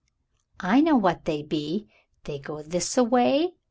"I know what they be. They go this a way."